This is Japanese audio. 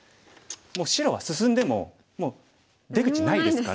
もう白は進んでも出口ないですから。